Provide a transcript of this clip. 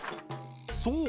そう！